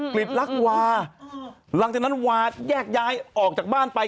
ลิบลักวาหลังจากนั้นวาแยกย้ายออกจากบ้านไป